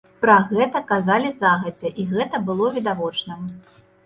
Пра гэта казалі загадзя, і гэта было відавочна.